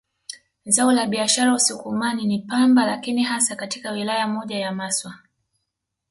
Zao la biashara Usukumani ni pamba lakini hasa katika wilaya moja ya Maswa